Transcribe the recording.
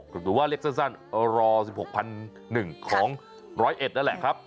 หรือว่าเล็กสั้นรอ๑๖๐๐๑ของร้อยเอ็ดนั่นแหละครับ